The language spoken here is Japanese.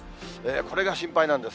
これが心配なんです。